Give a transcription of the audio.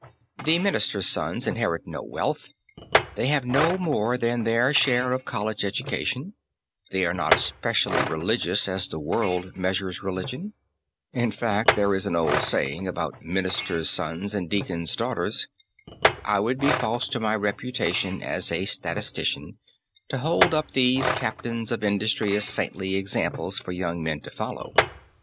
The ministers' sons inherit no wealth, they have no more than their share of college education; they are not especially religious as the world measures religion. In fact, there is an old saying about "ministers' sons and deacons' daughters." I would be false to my reputation as a statistician to hold up these captains of industry as saintly examples for young men to follow.